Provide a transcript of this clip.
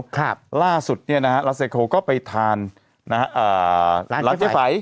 ครับล่าสุดเนี่ยนะฮะลาเซโคก็ไปทานนะฮะอ่าร้านเจ๊ไฝ